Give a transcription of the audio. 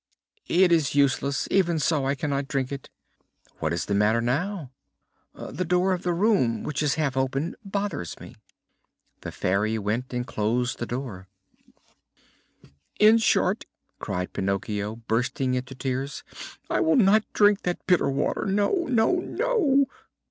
"It is useless. Even so I cannot drink it." "What is the matter now?" "The door of the room, which is half open, bothers me." The Fairy went and closed the door. "In short," cried Pinocchio, bursting into tears, "I will not drink that bitter water no, no, no!"